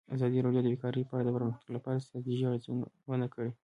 ازادي راډیو د بیکاري په اړه د پرمختګ لپاره د ستراتیژۍ ارزونه کړې.